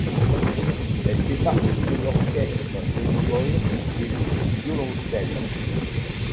Elle fait partie de l'orchestre de l'école et joue du violoncelle.